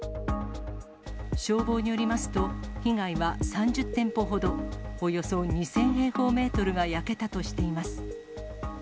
消防によりますと、被害は３０店舗ほど、およそ２０００平方メートルが焼けたとしています。